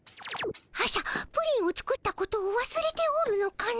朝プリンを作ったことをわすれておるのかの？